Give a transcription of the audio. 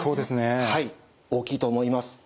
はい大きいと思います。